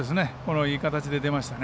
いい形で出ましたね。